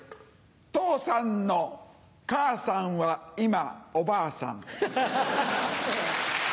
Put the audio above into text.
父さんの母さんは今おばあさん。